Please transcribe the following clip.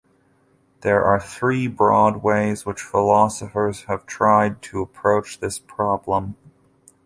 There are three broad ways which philosophers have tried to approach this problem.